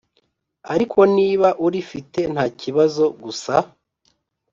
ariko niba urifite ntakibazo gusa